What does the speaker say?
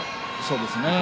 そうですね。